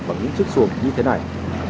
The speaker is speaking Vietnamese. bằng những chiếc xuồng như thế này